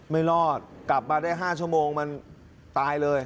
ไม่รอดกลับมาได้๕ชั่วโมงมันตายเลย